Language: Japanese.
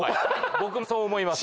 僕もそう思います。